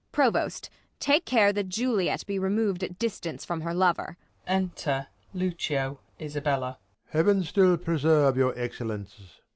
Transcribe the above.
Provost take care that Juliet be remov'd At distance from her lover. Unter Lucio, Isabell, Prov. Heaven still preserve your Excellence.